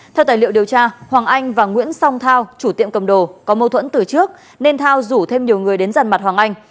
theo tài liệu điều tra hoàng anh và nguyễn song thao chủ tiệm cầm đồ có mâu thuẫn từ trước nên thao rủ thêm nhiều người đến giàn mặt hoàng anh